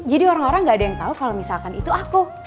jadi orang orang gak ada yang tau kalo misalkan itu aku